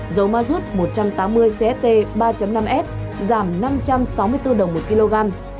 dầu mazut một trăm tám mươi cst ba năm s giảm năm trăm sáu mươi bốn đồng một kg